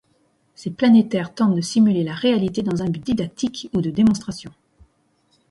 Ces planétaires tentent de simuler la réalité dans un but didactique ou de démonstration.